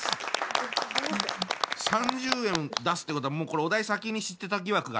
３０円出すってことはもうこれお題先に知ってた疑惑がありますね。